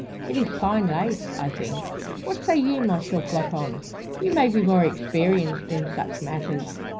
"It is fine lace, I think. What say you, M. Floçon? You may be more experienced in such matters."